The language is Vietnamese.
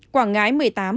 quảng ngãi một mươi tám